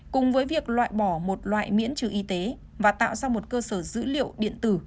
cùng với việc loại bỏ một loại miễn trừ y tế và tạo ra một cơ sở dữ liệu điện tử